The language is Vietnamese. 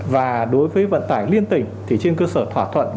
và đối với vận tải liên tỉnh thì trên cơ sở thỏa thuận